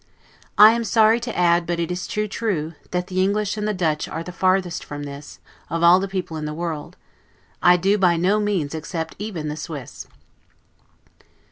I am sorry to add, but it is too true, that the English and the Dutch are the farthest from this, of all the people in the world; I do by no means except even the Swiss.